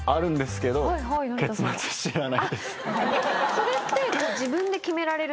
それって。